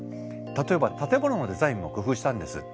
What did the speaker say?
例えば建物のデザインも工夫したんです。